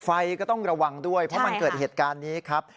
ไฟก็ต้องระวังด้วยเพราะมันเกิดเหตุการณ์นี้ครับ